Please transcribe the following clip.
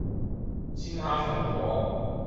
鮮蝦粉果